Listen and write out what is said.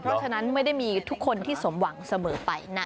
เพราะฉะนั้นไม่ได้มีทุกคนที่สมหวังเสมอไปนะ